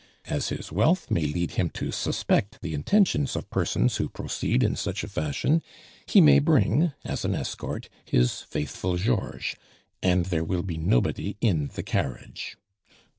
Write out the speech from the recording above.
As his wealth may lead him to suspect the intentions of persons who proceed in such a fashion, he may bring, as an escort, his faithful Georges. And there will be nobody in the carriage.